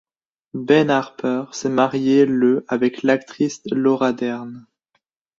Ben Harper s'est marié le avec l'actrice Laura Dern.